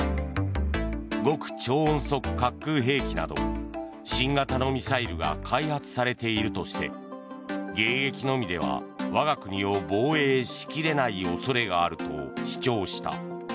極超音速滑空兵器など新型のミサイルが開発されているとして迎撃のみでは我が国を防衛しきれない恐れがあると主張した。